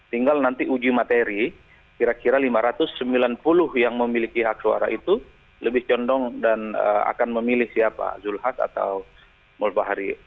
tinggal nanti uji materi kira kira lima ratus sembilan puluh yang memiliki hak suara itu lebih condong dan akan memilih siapa zulhas atau mulbahari